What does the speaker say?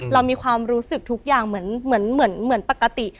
เรามีความรู้สึกทุกอย่างเหมือนปกติ